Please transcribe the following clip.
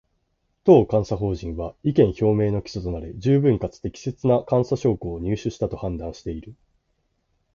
当監査法人は、意見表明の基礎となる十分かつ適切な監査証拠を入手したと判断している